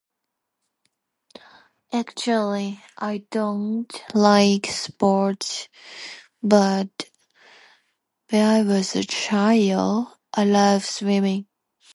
Actually I don't like sports, but when I was a child I love swimming.